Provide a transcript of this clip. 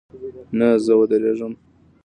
نه، زه ودریږم